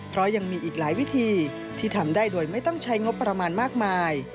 เพราะยังมีอีกหลายวิธีที่ทำได้โดยไม่ต้องใช้งบประมาณมากมาย